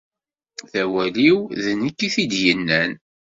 D awal-iw, d nekk i t-id-yennan.